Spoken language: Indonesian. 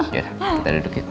yaudah kita duduk yuk